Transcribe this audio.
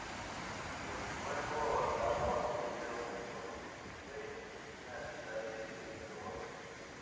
Los nuevos amos enviaron colonos y fue una ciudad de segundo orden.